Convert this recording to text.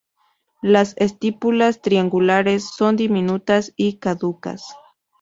Las estípulas, triangulares, son diminutas y caducas.